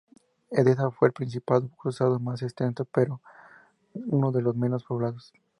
Edesa fue el principado cruzado más extenso, pero era uno de los menos poblados.